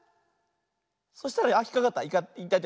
そしたらあっひっかかった。